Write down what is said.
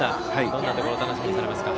どんなところを楽しみにされますか。